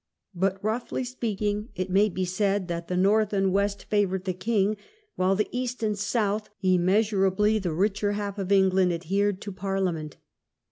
But, roughly speaking, it may be said that the North and West TAKING SIDES. 4I fevoured the king, while the East and South, immeasurably the richer half of England, adhered to Parliament.